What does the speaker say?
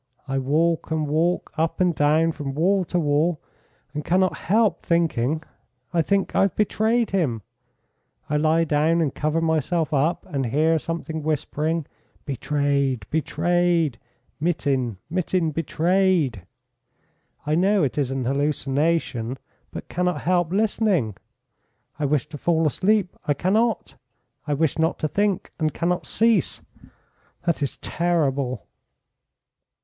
I walk and walk up and down from wall to wall, and cannot help thinking. I think, 'I have betrayed him.' I lie down and cover myself up, and hear something whispering, 'Betrayed! betrayed Mitin! Mitin betrayed!' I know it is an hallucination, but cannot help listening. I wish to fall asleep, I cannot. I wish not to think, and cannot cease. That is terrible!"